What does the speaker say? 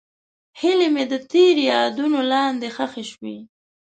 هیلې مې د تېر یادونو لاندې ښخې شوې.